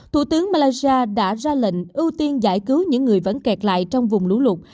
thủ tướng malaysia đã ra lệnh ưu tiên giải cứu những người vẫn kẹt lại trong vùng lũ lụt